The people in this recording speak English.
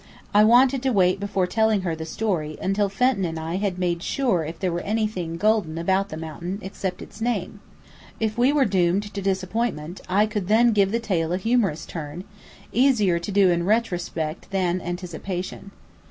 I wanted to wait before telling her the story, until Fenton and I had made sure if there were anything golden about the mountain, except its name. If we were doomed to disappointment I could then give the tale a humorous turn, easier to do in retrospect than anticipation.